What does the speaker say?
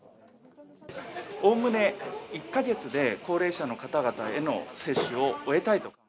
おおむね１か月で、高齢者の方々への接種を終えたいと。